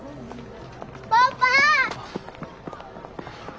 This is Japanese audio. パパ！